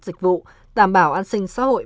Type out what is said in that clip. dịch vụ đảm bảo an sinh xã hội